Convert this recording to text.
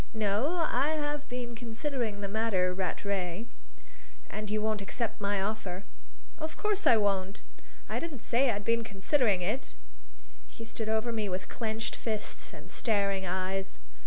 "No, I have been considering the matter, Rattray." "And you won't accept my offer?" "Of course I won't. I didn't say I'd been considering that." He stood over me with clenched fists and starting eyes.